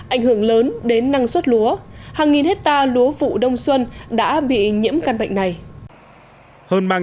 ảnh hưởng lớn đến năng suất lúa hàng nghìn hectare lúa vụ đông xuân đã bị nhiễm căn bệnh này